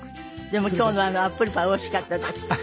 でも今日のあのアップルパイおいしかったです。